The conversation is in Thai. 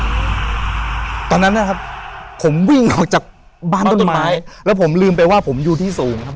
ตอนนั้นนะครับผมวิ่งออกจากบ้านต้นไม้แล้วผมลืมไปว่าผมอยู่ที่สูงครับ